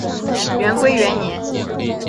元龟元年。